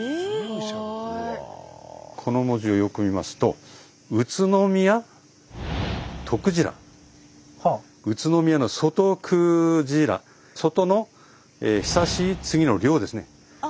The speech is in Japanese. この文字をよく見ますと宇都宮外久次良宇都宮の外久次良「外」の「久しい」「次」の「良」ですね。